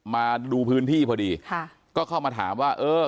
มาดูพื้นที่พอดีค่ะก็เข้ามาถามว่าเออ